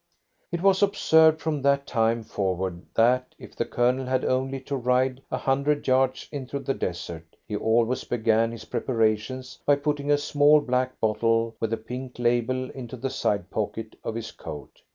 It was observed from that time forward that, if the Colonel had only to ride a hundred yards into the desert, he always began his preparations by putting a small black bottle with a pink label into the side pocket of his coat.